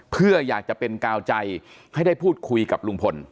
เพื่ออยากจะเป็นกาวใจให้ได้พูดคุยกับลุงพล